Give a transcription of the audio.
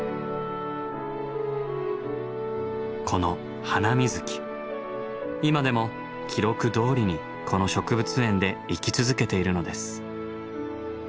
この今でも記録どおりにこの植物園で生き続けているのです。